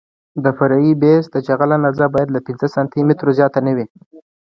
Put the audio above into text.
د فرعي بیس د جغل اندازه باید له پنځه سانتي مترو زیاته نه وي